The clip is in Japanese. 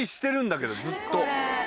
ずっと。